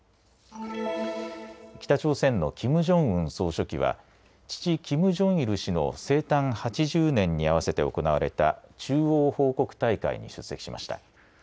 北朝鮮のキム・ジョンウン総書記は父、キム・ジョンイル氏の生誕８０年に合わせて行われた中央報告大会に出席しました。